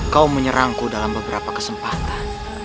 kau menyerangku dalam beberapa kesempatan